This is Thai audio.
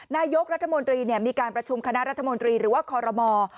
นายกรัฐมนตรีมีการประชุมคณะรัฐมนตรีหรือว่าคอรมอ